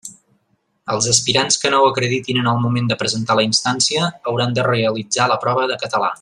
Els aspirants que no ho acreditin en el moment de presentar la instància hauran de realitzar la prova de català.